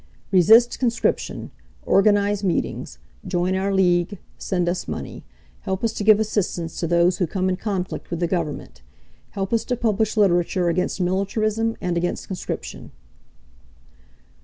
"Resist conscription. Organize meetings. Join our league. Send us money. Help us to give assistance to those who come in conflict with the Government. Help us to publish literature against militarism and against conscription."